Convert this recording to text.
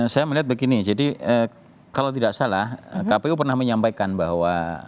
saya melihat begini jadi kalau tidak salah kpu pernah menyampaikan bahwa